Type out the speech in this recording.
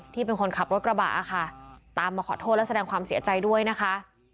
ที่เป็นคนขับรถกระบะค่ะตามมาขอโทษและแสดงความเสียใจด้วยนะคะ